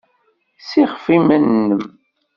Ssixfef iman-nnem!